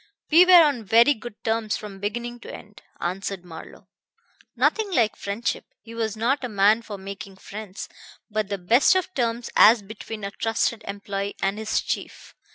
"We were on very good terms from beginning to end," answered Marlowe. "Nothing like friendship he was not a man for making friends but the best of terms as between a trusted employee and his chief.